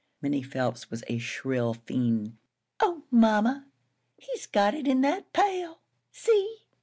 Minnie Phelps was a shrill fiend. "Oh, mamma, he's got it in that pail! See!